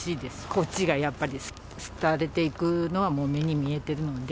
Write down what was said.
こっちがやっぱり廃れていくのは、もう目に見えてるので。